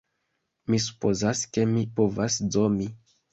Mi supozas, ke mi povas zomi